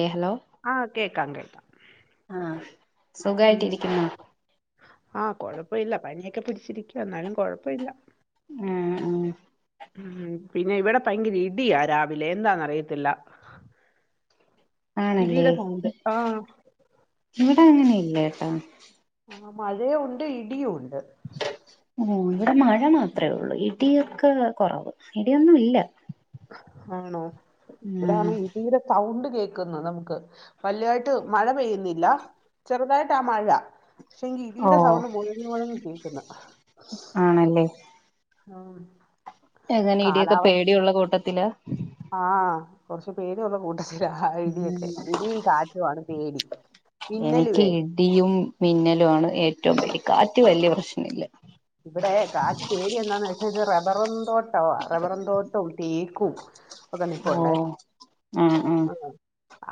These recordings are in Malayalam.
ഏ ഹലോ ആഹ് കേക്കാം കേക്കാം ആഹ് ഉം സുഖായിട്ടിരിക്കുന്നോ ആ കൊഴപ്പമില്ല പനിയൊക്കെ പിടിച്ചിരിക്കുവ എന്നാലും കൊഴപ്പമില്ല ഉ ഉ ഉ പിന്നെ ഇവിടെ ഭയങ്കര ഇടിയാ രാവിലെ എന്താന്നറിയത്തില്ല ആണല്ലേ ഇടിയുടെ സൗണ്ട് ആഹ് ഇവിടെ അങ്ങനെ ഇല്ല ട്ടോ ആ മഴയയും ഉണ്ട് ഇടിയും ഉണ്ട് ഓ ഇവിടെ മഴ മാത്രമേ ഉള്ളൂ ഇടിയൊക്കെ കുറവ് ഇടിയൊന്നും ഇല്ല ആണോ ഉം ഇവിടെണ് ഇഡീടെ സൗണ്ട് കേക്ക ന്ന് നമുക്ക് വല്യായിട്ട് മഴ പെയ്യുന്നില്ല ചെറുതായിട്ട് ആ മഴ പക്ഷെ എങ്ക ഓ ഇടിയടെ സൗണ്ട് മുഴങ്ങി മൊഴുങ്ങി കേൾക്കുന്ന ആണല്ലേ ആ എങ്ങനെ ഇടിയൊക്കെ പേടിയള്ള കൂട്ടത്തില കുറച്ചു പേടിയള്ള കൂട്ടത്തിലാ ആ ഇടിയൊക്കെ ഇടിയും കാറ്റുമാണ് പേടി എനിക്ക് മിന്നലുവേ ഇടിയും മിന്നലു ആണ് ഏറ്റവും വലിയ കാറ്റ് വലിയ പ്രശ്നം ഇല്ല ഇവിടെ കാറ്റ് പേടി എന്താന്ന് വെച്ചാത് റബ്ബറും തോട്ടമാ റബ്ബറും തോട്ടവും തേക്കും ഒക്കെ നിപ്പോണ്ടേ ആഹ ആഹ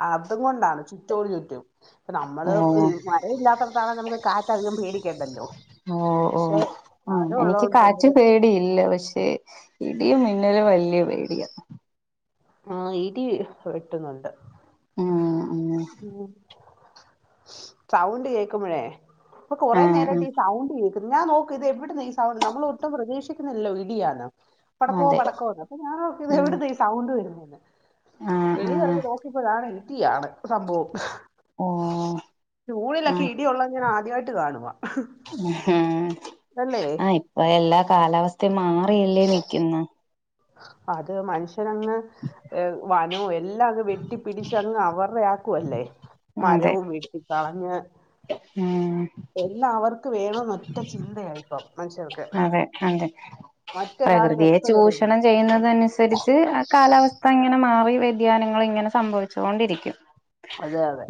അതും കൊണ്ട് അന്നേ ചുറ്റും ഒരു ചുറ്റും ഇപ്പ നമ്മള് ഓ മഴയില്ലാത്തടത്താണ നമുക്ക് കാറ്റധികം പേടിക്കണ്ടല്ലോ പക്ഷെ ആ മരം എനിക്ക് ഉള്ളതുകൊണ്ട് ഭയങ്കര കാറ്റ് പേടിയില്ല പക്ഷേ ഇടിയും മിന്നലും വലിയ പേടിയാ ആഹ ഇടി വെട്ടുന്നുണ്ട് ഉം ഉം സൗണ്ട് കേക്കുമ്പോഴേ അപ്പ കൊറെ ആഹ് ആഹ് നേരട്ട് ഈ സൗണ്ട് ഞാൻ നോക്ക ഇത് എവിടന്ന് ഈ സൗണ്ട് നമ്മൾ ഒട്ടും പ്രതീക്ഷിക്കുന്നല്ലോ ഇടിയാണ് പടക്കോ അതെ പടക്കോന്ന് അപ്പോ ഞാൻ ഓർത്ത് ഉം എവിടന്ന് ഈ സൗണ്ട് വരുന്നന്ന് ആഹ് വെളി ആഹ് വെന്ന് നോക്കിയപ്പോതാണ് ഇടിയാണ് സംഭവം ഓ ജൂണിലൊക്കെ ആഹ് ഇടിയുള്ളെ ഞാൻ ആദ്യമായിട്ട് കാണുവാ അല്ലേ ആഹ ഇപ്പൊ എല്ലാ കാലാവസ്ഥയും മാറിയല്ലേ നിക്കുന്നേ അത് മനുഷ്യനങ്ങ് വ എല്ലാം അങ് വെട്ടിപ്പിടിച്ച് അങ്ങ് അവരുടെയാക്കും അല്ലേ മരവും വെട്ടിക്കളഞ്ഞ് ആഹ വേണം എന്ന് ഒറ്റ ചിന്തയ ഇപ്പ മനുഷ്യർക്ക് അതെ അതെ മറ്റൊരാൾ പ്രകൃതിയെ രക്ഷപ്പെടരുത് ചൂഷണം ചെയ്യുന്നത അനുസരിച്ച് കാലാവസ്ഥ അങ്ങനെ മാറി വ്യതിയാനങ്ങൾ ഇങ്ങനെ സംഭവിച്ചുകൊണ്ടിരിക്കും അതെ അതെ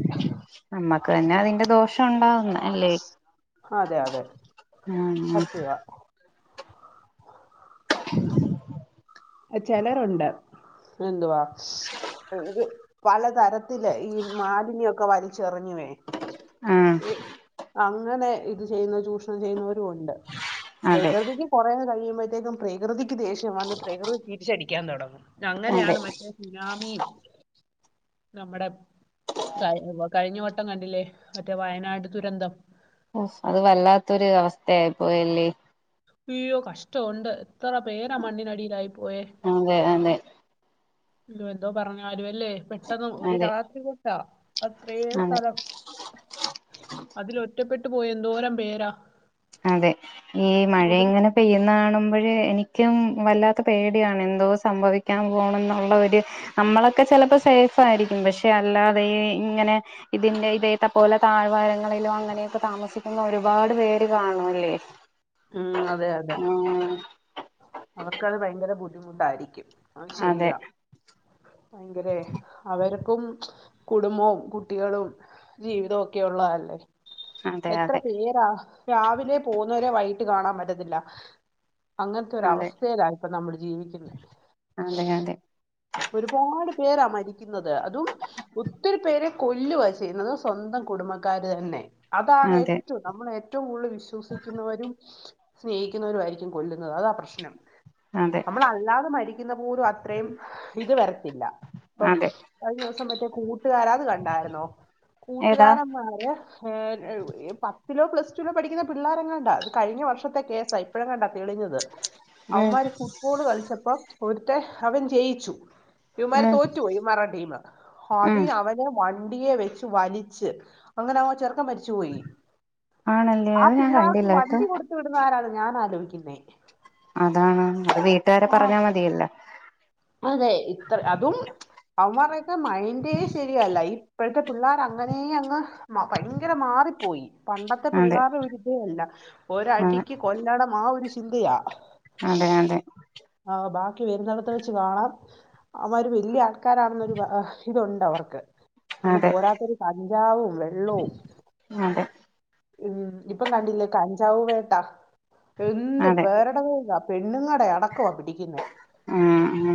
നമ്മക്ക് തന്നെ അതിന്റെ ദോഷം ഉണ്ടാവുന്ന അല്ലേ അതെ അതെ ആ സത്യവാ [inaudible] ചിലരുണ്ട് എന്തുവാ ഇത് പലതരത്തി ത്തി ഈ മാലിന്യൊക്കെ വലിച്ചെറിഞ്ഞുവേ ആഹ് അങ്ങനെ ഇത് ചെയ്യുന്ന ചൂഷണം ചെയ്യുന്നവരും ഒണ്ട് അതെ പ്രകൃതിക്ക് കൊറേ കഴിയുമ്പോ മ്പത്തേക്കും പ്രകൃതിക്ക് ദേഷ്യം വന്ന് പ്രകൃതി തിരിച്ചടിക്കാൻ തുടങ്ങും. അതെ അങ്ങനെയാണ് മറ്റേ സുനാമിം നമ്മുടെ ക കഴിഞ്ഞ വട്ടം കണ്ടില്ലേ മറ്റേ വയനാട് ദുരന്തം. അത് വല്ലാത്തൊരു അവസ്ഥയായിപ്പോയല്ലേ. അയ്യോ കഷ്ടമുണ്ട് എത്ര പേരാ മണ്ണിനടിയിലായി, പോയേ. അതെ അതെ എന്തോ പറഞ്ഞര് അല്ലെ പെട്ടെന്ന് ഒരു അതെ രാത്രികൊണ്ടാ അത്രേ അതെ സ്ഥലം അതിൽ, ഒറ്റപ്പെട്ടു, പോയ, എന്തോരം, പേരാ അതെ, ഈ, മഴ അവര്- ഇങ്ങനെ, പെയ്യുന്നതണ മ്പഴേ, എനിക്കും, വല്ലാത്ത പേടിയാണ്, എന്തോ, സംഭവിക്കാൻ, പോണം, എന്നുള്ള, ഒര്, നമ്മളെ ക്കെ, ചെലപ്പോ, സേഫ്, ആയിരിക്കും, പക്ഷെ ക്ഷ അല്ലാതെ, ഇങ്ങനെ, ഇതിന്റെ, ഇതേത്തെ, പോലെ, താഴവാരങ്ങളിലും, അങ്ങനെയൊക്കെ, താമസിക്കുന്ന, ഒരു ഒരുപാട്, പേര്, കാണുവല്ലേ ഉം, അതെ, അതെ. ആഹ് അവർക്കത്, ഭയങ്ക, ബുദ്ധിമുട്ടായിരിക്കും. അത്, അതെ ശരിയാ, ഭയങ്കര, അവര് പ്പും, കുടുംബവും, കുട്ടികളും, ജീവിതവക്കെ, ഉള്ളതല്ലേ അതെ എത്ര, അതെ പേരാ, രാവിലെ, പോവന്നവരെ, വൈകിട്ട്, കാണാൻ, പറ്റത്തില്ല. അങ്ങനത്തെ, ഒര അതെ അവസ്ഥയിലാണ്, ഇപ്പൊ, നമ്മൾ, ജീവിക്കുന്നത്. അതെ അതെ ഒരുപാട്, പേരാ, മരിക്കുന്നത്, അതും, ഒത്തിരി, പേരെ, കൊല്ലുവ, ചെയ്യുന്നത്, സ്വന്തം കുടുംബക്കാര്, തന്നെ, അതാണ്, അതെ ഏറ്റവും, നമ്മള്, ഏറ്റവും, കൂടുതല്, വിശ്വസിക്കുന്നവരും സ്നേഹിക്കുന്നവരായിരിക്കും, കൊല്ലുന്നത്, അതാ പ്രശ്നം, അതെ നമ്മളല്ലാതെ, മരിക്കുന്ന, പോലു ഇത്, വരത്തില്ല, ഇപ്പൊ, അതെ കഴിഞ്ഞവസം, മറ്റേ, കൂട്ടുകാരാത്, കണ്ടായിരുന്നോ. ഏതാ കൂട്ടുകാരന്മാര്, എ, പത്തിലോ, പ്ലസ് പഠിക്കുന്ന, പിള്ളോരങ്ങണ്ട, അത്, കഴിഞ്ഞ, വർഷത്തെ, കേസാ, ഇപ്പഴങ്ങാണ്ട തെളിഞ്ഞത്, ഉം അവന്മാര് ഫുട്ബോള് കളിച്ചപ്പോ ഒരുത്തെ അവൻ ജയിച്ചു. ഇവമാര് ഉം തോറ്റുപോയി, ടീം ഉം അതിനവനെ, വലി ണ്ടിയെ വെച്ച വലിച് അങ്ങനെ ആ ചെർക്കൻ മരി പോയി, ആണല്ലേ ആ, അത് ഞാൻ പിള്ളേർക്ക്, കണ്ടില്ല കേട്ടോ വണ്ടി, കൊടുത്ത്, വിടുന്നാരാന്നാ, ഞാനാ ലോയ്ക്കുന്നെ. അതാണ്, അത്, വീട്ടുകാരെ, പറഞ്ഞാ, മതിയല്ല അവന്മാരൊക്കെ, മൈന്റെ, ശരിയ, ല്ല ഇപ്പോഴത്തെ, പിള്ളേരങ്ങനെ, യങ്ങ് ഭയങ്കര, മാറിപ്പോയി, പണ്ടത്തെ, അതെ പിള്ളേരെ, ഒരിതേ, അല്ല, ഒര ആഹ് അടിക്ക്, കൊല്ലണം, ആ ഒരു ന്തയാ. അതെ, അതെ. ക്കി, വരുന്നിടത്ത്, വെച്ച്, കാണാം, അവന്മാര്, വല്ല്യ, ആൾക്കാരാണെന്നൊരു, എ, ഇതുണ്ട്, അവർക്ക്. പിന്നെ, അതെ പോരാത്തൊരു, കഞ്ചാവും, വെള്ളവും. അതെ ഉം, ഇപ്പം, കണ്ടില്ലേ, കഞ്ചാവ്, വേട്ടാ, എന്തു, അതെ പേരെടെ, വേ പെണ്ണുങ്ങടെ, അടക്കുവ, പിടിക്കുന്നേ ആഹ.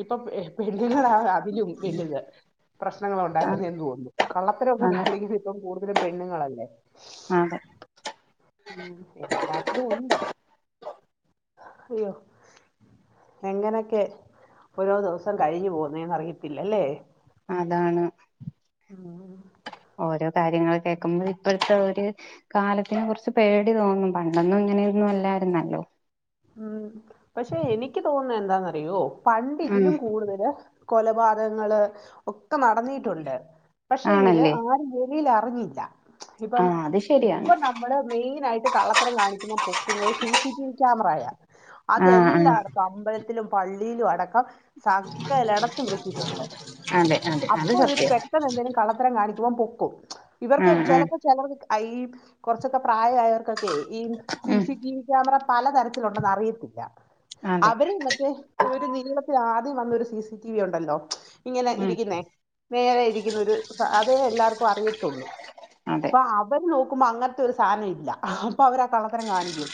ഇപ്പൊ, പെണുങ്ങളാ, അതിലും, വലുത് പ്രശ്നങ്ങളുണ്ടാക്കുന്നതെന്ന്, തോന്നുന്നു, കള്ളത്തരൊക്കെ, അതെ കാണിക്കന്ന ഇപ്പം, കൂടുതലും, പെണ്ണുങ്ങളല്ലേ അതെ ഉം, എല്ലാത്തിലും, ഒണ്ട്. അയ്യോ, എങ്ങനൊക്കെ ഓരോ, ദിവസം, കഴിഞ്ഞു, പോകുന്നേന്ന്, അറിയത്തില്ല, ല്ലേ. അതാണ്. കാര്യങ്ങള്, കേൾക്കുമ്പൊഴ്, ഇപ്പോഴത്തെ, ഒരു, കാലത്തിനെ, കുറിച്ച്, പേടി തോന്നും, പണ്ടൊന്നും, ഇങ്ങനൊന്നും, അല്ല രുന്നല്ലോ ഉം, പക്ഷെ, എനിക്ക്, തോന്നുന്ന, എന്താന്നറിയോ, പണ്ട്, ഉം ഇതിലും, കൂടുതല് കൊലപാതങ്ങള് ഒക്കെ നടന്നിട്ടുണ്ട് പക്ഷെങ്കില് ആണല്ലേ ആര? ലാ അറിഞ്ഞില്ല ഇപ്പം ആഹ് അത് ശരിയാണ് ഇപ്പൊ നമ്മള് മെയിന ആയിട്ട്- കള്ളത്തരം കാണിക്കുമ്പോൾ പൊക്കുന്നത് സി സ ടി വി ക്യാമറയ ആഹ് ആഹ് അതെല്ലായിടക്കും അമ്പലത്തിലും- പള്ളിയിലും അടക്കം സക്കലടത്തും വെച്ചിട്ടുണ്ട്. അതെ അതെ അത് അപ്പൊ ഇവര് സത്യം പെട്ടെന്ന് എന്തെങ്കിലും കളത്തരം കാണിക്ക്പൊ- ഇവർക്ക് ഉം ഉം ചിലപ്പോ ചിലർ കുറച്ചൊക്കെ പ്രായമായവർ- കൊക്കെ ഈ ഉം സിസി ടി വി ക്യാമറ പല തര- അതെ അവർ മറ്റേ ആദ്യം വന്നൊരു സി സി ടി വി ഉണ്ടല്ലോ? ഇങ്ങനെ ഉം ഇരിക്കുന്നേ നേരെ ഇരിക്കുന്ന ഒരു അതേ എല്ലാവർക്കും അറിയത്തുള്ളൂ. അതെ അപ്പൊ അവര് നോക്കുമ്പോ അങ്ങനത്തെ ഒരു സാധനം ഇല്ല അപ്പൊ അവര് കളത്തരം കാണിക്കോ?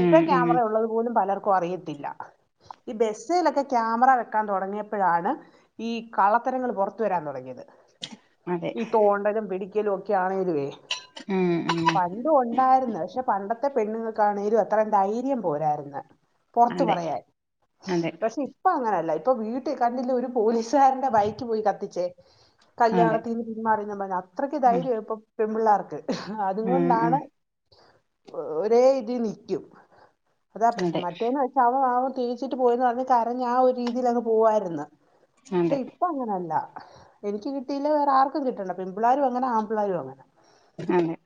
മ് ക്യാമറ യുള്ളത് പോലും- പലർക്കും അറിയത്തില്ല ഈ ബസിലൊക്കെ ക്യാമറ വെക്കാൻ തുടങ്ങിയപ്പോഴാണ് ഈ- കളത്തരങ്ങൾ പുറത്ത വരാൻ തുടങ്ങിയത് അതെ ഈ തോണ്ടലും പിടിക്കലും ഒക്കെയ ആണ ഇതുവേ- ഉം ഉം പണ്ട ഉണ്ടായിരുന്നു പക്ഷെ പണ്ടത്തെ പെണ്ണുങ്ങൾക്കാണെങ്കിലും - അത്രയും ധൈര്യം പോരര് ന്ന് പുറത്തു അതെ പറയാൻ അതെ പക്ഷെ ഇപ്പൊ അങ്ങനല്ല. ഇപ്പൊ വീട്ടിൽ കണ്ടില്ല ഒരു പോലീസുകാരടെ ബൈക്ക് പോയി കത്തിച്ചേ- അതെ കല്യാണത്തിപിന്മാറി പറഞ്ഞ അത്രയ്ക്ക് ഉം ധൈര്യ ഇപ്പ പെ പിള്ളേർക്ക്. അത ഉം ഉം കൊണ്ടാണ് ഒരേ ഇതി നിൽക്കും. അതാ പ്രശ്നം അതെ മറ്റേന്ന് വെച്ചാ അവൻ അവൻ തേച്ചിട്ട് പോയന്ന് പറഞ്ഞ് കരഞ്ഞ ആ ഒരു രീതിൽ അങ്ങ് പോവായിരുന്നു. പക്ഷെ അതെ ഇപ്പൊ അങ്ങനെല്ല. എനിക്ക് കിട്ടീയില്ലേ വേറെ ആർക്കും കിട്ടണ്ട പെൺ പിളാരും അങ്ങനെ ആമ്പിളാരും അങ്ങനെ- അതെ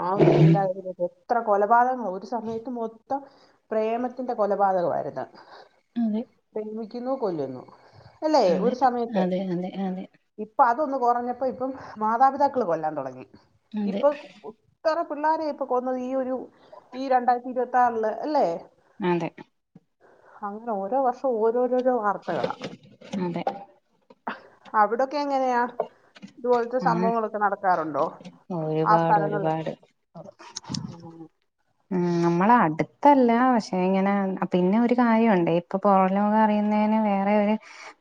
ആ ഒരു ചിന്താഗതി എത്ര കൊലപാതകങ്ങ ഒരു- സമയത്ത് മൊത്തം പ്രേമത്തിന്റെ കൊലപാതകമായിരുന്നു അതെ പിന്നെ- ന്നു കൊല്ലുന്നു അല്ലേ അതെ ഒരു സമയത്ത് അതെ അതെ അതെ അപ്പ അതൊന്ന കുറഞ്ഞപ്പോ ഇപ്പം മാതാപിതാക്കൾ കൊല്ലാൻ തുടങ്ങി അതെ ഇപ്പൊ- പിള്ളോരെയ ഇപ്പൊ കൊന്നത് ഈ ഒരു ഈ രണ്ടായിരത്തി ഇരുപത്തി ആറില് അല്ലേ. അതെ. അങ്ങനെ ഓരോ വർഷം ഓരോരോരോ വാർത്തകളാണ്. അതെ അവിടൊക്കെ എങ്ങനെയാ ഇതുപോലത്തെ ആഹ് സംഭവങ്ങളൊക്കെ നടക്കാറുണ്ടോ? ആ ഒരുപാട് സ്ഥലങ്ങളിലൊക്കെ ഒരുപാട് മ്. നമ്മള അടുത്തല്ല പക്ഷെ ഇങ്ങനെ പിന്നെ ഒരു കാര്യമുണ്ട് ഇപ്പൊ പുറ ലോകം അറിയുന്നതിന് വേറെ- വര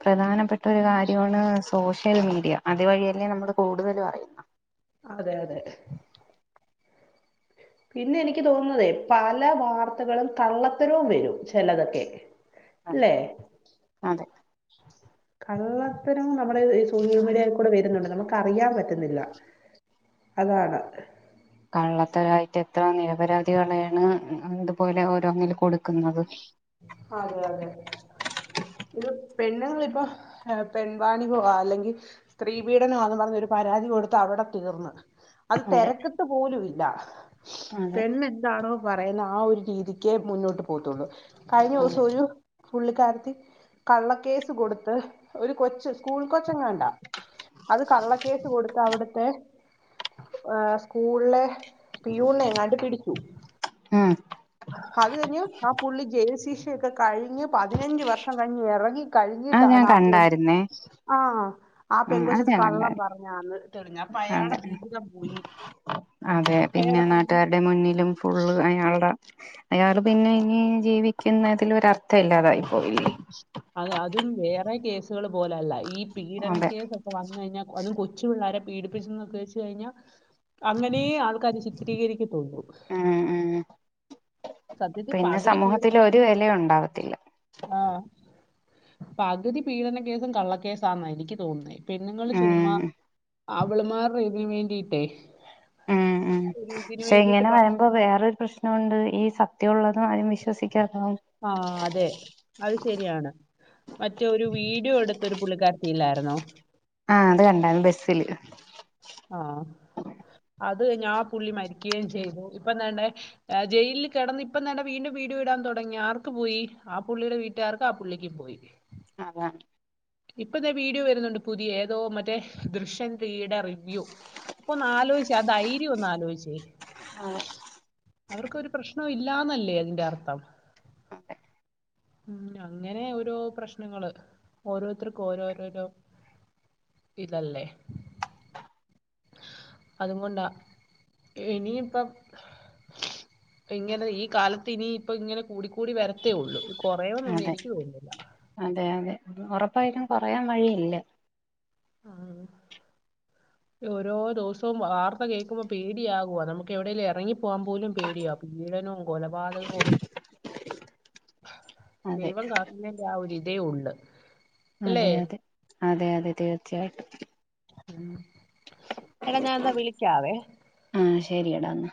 പ്രധാനപ്പെട്ട ഒരു കാര്യമാണ് സോഷ്യൽ മീഡിയ. അത് വഴി അല്ലേ നമ്മള് കൂടുതൽ അറയുന്നത്. അതെ അതെ പിന്നെ എനിക്ക് തോന്നതേ പല വാർത്തകളും കള്ളത്തരവും വരും ചിലതൊക്കെ. അതെ അല്ലേ അതെ. കള്ളത്തരം നമ്മുടെ ഈ സോഷ്യൽ മീഡിയയിൽ കൂടെ വരുന്നുണ്ട് നമുക്ക് അറിയാൻ പറ്റും. ട്ടത്തില്ല അതാണ്. കള്ളത്തരായിട്ട് എത്ര നിരപരാധികളെയാണ് ഇതുപോലെ ഓരോന്നില് കൊടുക്കുന്നത്. അതെ അതെ. ഇത് പെണ്ണുങ്ങളിപ്പോ പെൺവാണിബോ അല്ലെങ്കിൽ സ്ത്രീപീഡനമാന്ന് പറഞ്ഞ പരാതി കൊടുത്ത് അവിടെ തീർന്ന്, - അത് അതെ തിരക്കത്ത് പോലും ഇല്ല അതെ പെണ് എന്താണോ? പറയുന്ന ആ ഒരു രീതിക്കേ മുന്നോട്ട് പോകത്തുള്ളു കഴിഞ്ഞ അതെ ദിവസം ഒരു- പുള്ളിക്കാരത്തി കള്ളക്കേസ് കൊടുത്ത് ഒരു കൊച്ച് സ്കൂൾ കൊച്ച എങ്ങണ്ടാ- അത് കള്ളക്കേസ് കൊടുത്ത അവിടുത്തെ- ഏ സ്കൂളിലെ പ്യൂണ് എങ്ങാട്ട് പിടിച്ചു. ഉം അത് കഴിഞ്ഞ് ആ പുള്ളി ജയിൽ ശീഷയൊക്കെ കഴിഞ്ഞ് പതിനഞ്ച വർഷം കഴിഞ്ഞ് ഇറങ്ങി- അത് ഞാൻ കഴിഞ്ഞിട്ടാണ് ആ കണ്ടായിരുന്നേ [unintelligible] ആ ആ ആഹ് അത് പെങ്കൊച്ചത് ഞാൻ കള്ളം കണ്ടായിരുന്നു പറഞ്ഞാന്ന് തെളിഞ്ഞ അതെ ആ അതെ പിന്നെ അയാടെ പതിനെ നാട്ട്കാര്ടെ മുന്നിലും ഫുള്ള് അയാള്ടെ അയാള് പിന്നെ ഇനി ജീവിക്കുന്നതില് ഒരർത്ഥയില്ലാതായി പോയില്ലേ അത് അതും വേറെ കേസുകൾ പോലല്ല ഈ അതെ പീഡനക്കേസൊക്കെ വന്ന്കഴിഞ്ഞാ അതും കൊ ച്ചു പിള്ളാരെ പീഡിപ്പിച്ച്ന്നൊക്കെ ച്ച് കഴിഞ്ഞാ അങ്ങനേ ആൾക്കാര് ചിത്രീകരിക്കത്തുള്ളൂ ഉം ഉം സത്യത്തിൽ പിന്നെ പകുതി പീഡ സമൂഹത്തില് ഒരു വിലയുണ്ടാവത്തില്ല ആഹ് പകുതി പീഡന കേസും കള്ളക്കേസാന്ന എനിക്ക് തോന്നെ പെണ്ണുങ്ങള് ചുമ്മാ ഉം അവള് മാർടെ ഇതിന് വേണ്ടിട്ടേ ഉം ഉം പക്ഷെ ഇങ്ങനെ പ വരമ്പോ വേറൊരു പ്രശ്നഉണ്ട് ഈ സത്യ ഉള്ള [unintelligible] വിശ്വസിക്കാത്ത ആ അതെ അത് ശരിയാണ് മറ്റേ ഒരു വീഡിയോ എടുത്ത ഒരു പുള്ളിക്കാ ഇല്ലായിരുന്നോ? ആ അത് കണ്ടാര്ന്ന് ബെസ്സില് ആ അത് ഞാ പുള്ളി മരിക്ക്യേം ചെയ്തു, ഇപ്പൊ ദാണ്ടേ ജയിലിൽ കിടന്ന് ഇപ്പം താണ്ടെ വീണ്ടും വീ വീഡിയോ വിടാൻ തുടങ്ങി ആർക്ക് പോയി ആ പുള്ളിയുടെ വീട്ടുകാർക്ക് ആ പുള്ളിക്കും പോയി അതാ ഇപ്പൊ ദെ വീഡിയോ വരുന്നുണ്ട് പുതിയെ ഏതോ മറ്റേ ദൃശ്യം ത്രീയുടെ റിവ്യൂ പ്പൊന്നാലോ യ്ച്ചേ ആ ധൈര്യ ഒന്നാലോചിച്ചേ ആ അവർക്കൊരു പ്രശ്നവു ഇല്ലാന്നല്ലേ അതിന്റർത്ഥം ഉം അങ്ങനെ ഓരോ പ്രശ്നങ്ങള് ഓരോരുത്തർക്കോരോരോരോ ഇതല്ലേ അതുങ്കൊണ്ടാ ഇനിയിപ്പം ഇപ്പയിങ്ങനെ ഈ കാലത്തിനി ഇപ്പ ഇങ്ങനെ കൂടിക്കൂടി വരത്തേ ഉള്ളൂ കൊറയോന്നൊന്നു അതെ എനിക്ക് തോന്നില്ല അതെ അതെ ഉറപ്പായിട്ടും കൊറയാൻ വഴിയില്ല ആ ഓരോ ദിവസവും വാർത്ത കേക്കുമ്പോ പേടിയകുവ നമുക്ക് എവിടെേലും ഇറങ്ങി പോകാൻ പോലും പേടിയാ പീഡനവും കൊലപാതകവും അതെ ദൈവം കാക്കുന്നതിന്റെ ആ ഒരുരിതേ ഒള്ള് അതെ അതെ അതെ അതെ തീർച്ചയായിട്ടും ഉം എടാ ഞാൻ എന്നാ വിളിക്കാവേ ശരിയടാന്ന